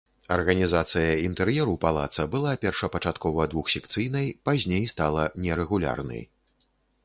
Арганізацыя інтэр'еру палаца была першапачаткова двухсекцыйнай, пазней стала нерэгулярны.